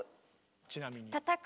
ちなみに。